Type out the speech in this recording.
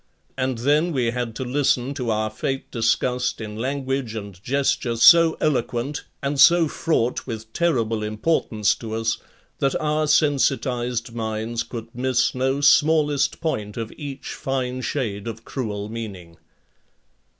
And then we had to listen to our fate discussed in language and gesture so eloquent and so fraught with terrible importance to us that our sensitized minds could miss no smallest point of each fine shade of cruel meaning.